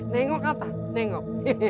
nengok apa nengok